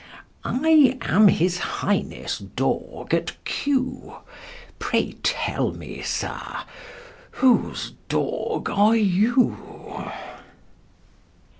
I am His Highness' dog at Kew; Pray tell me, sir, whose dog are you?